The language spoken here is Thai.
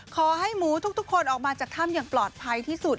ขอให้หมูทุกคนออกมาจากถ้ำอย่างปลอดภัยที่สุด